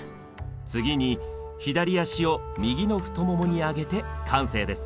次に左足を右の太ももに上げて完成です。